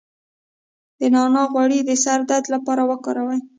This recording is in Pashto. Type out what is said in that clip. د نعناع غوړي د سر درد لپاره وکاروئ